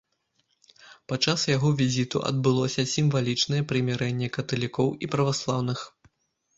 Падчас яго візіту адбылося сімвалічнае прымірэнне каталікоў і праваслаўных.